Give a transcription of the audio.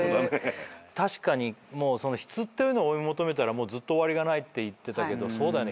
確かに質というものを追い求めたらずっと終わりがないって言ってたけどそうだよね。